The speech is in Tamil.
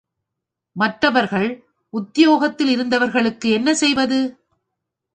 மற்றவர்கள் உத்தியோகத்திலிருந்தவர்களுக்கென்ன செய்வது?